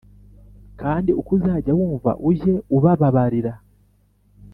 kandi uko uzajya wumva ujye ubababarira